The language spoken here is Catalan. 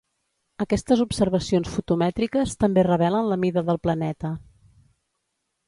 Aquestes observacions fotomètriques també revelen la mida del planeta.